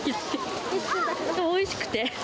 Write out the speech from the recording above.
おいしくて。